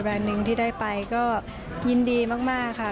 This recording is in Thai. หนึ่งที่ได้ไปก็ยินดีมากค่ะ